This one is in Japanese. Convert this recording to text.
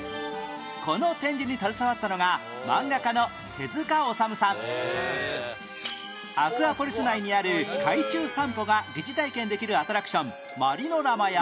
この展示に携わったのがアクアポリス内にある海中散歩が疑似体験できるアトラクションマリノラマや